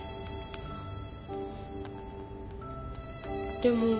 でも。